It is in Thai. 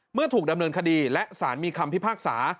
เมื่อถูกดำเนินคดีและสารมีคำพิพากษา